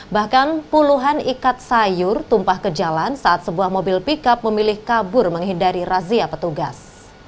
bahkan puluhan ikat sayur tumpah ke jalan saat sebuah mobil pickup memilih kabur menghindari razia petugas